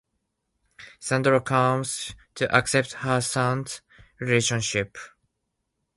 Sandra comes to accept her son's relationship.